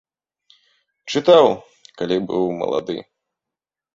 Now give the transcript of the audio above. Чытаў, калі быў малады.